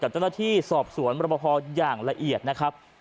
เจ้าหน้าที่สอบสวนบรบพออย่างละเอียดนะครับ